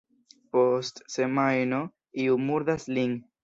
Post semajno iu murdas lin.